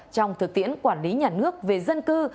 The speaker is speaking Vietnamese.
trong thực tiễn quản lý nhà nước về dân cư